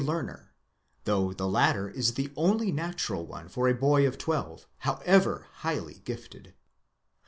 learner, though the latter is the only natural one for a boy of twelve, however . highly gifted.